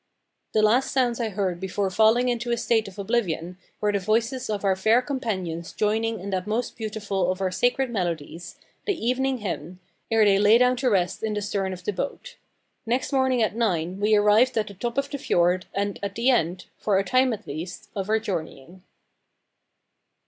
The last sounds I heard before falling into a state of oblivion were the voices of our fair companions joining in that most beautiful of our sacred melodies, the "Evening Hymn," ere they lay down to rest in the stern of the boat. Next morning at nine we arrived at the top of the fjord, and at the end, for a time at least, of our journeying.